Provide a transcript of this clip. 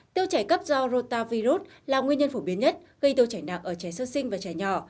tiêu chảy cấp do rotavirus là nguyên nhân phổ biến nhất gây tiêu chảy nặng ở trẻ sơ sinh và trẻ nhỏ